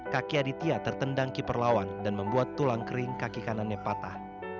kaki aditya tertendang keeper lawan dan membuat tulang kering kaki kanannya patah